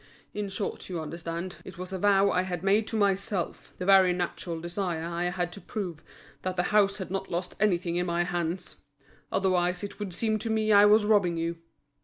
In short, you understand, it was a vow I had made to myself, the very natural desire I had to prove that the house had not lost anything in my hands. Otherwise it would seem to me I was robbing you."